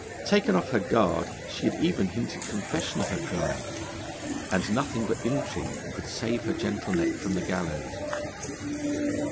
Taken off her guard, she had even hinted confession of her crime, and nothing but intrigue could have saved her gentle neck from the gallows.